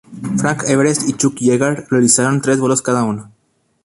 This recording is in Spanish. Frank Everest y Chuck Yeager realizaron tres vuelos cada uno.